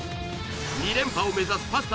２連覇を目指すパスタ